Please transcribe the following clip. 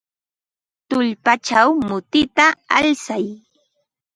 Tullpachaw mutita alsay.